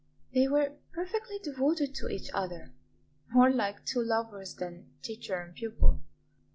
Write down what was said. They were perfectly devoted to each other; more like two lovers than teacher and pupil.